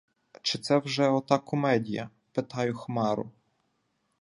— Чи це вже ота "кумедія"? — питаю Хмару.